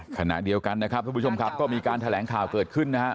ขณะเดียวกันนะครับทุกผู้ชมครับก็มีการแถลงข่าวเกิดขึ้นนะฮะ